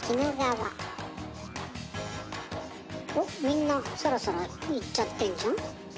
おっみんなサラサラいっちゃってんじゃん。